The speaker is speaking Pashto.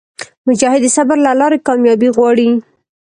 مجاهد د صبر له لارې کاميابي غواړي.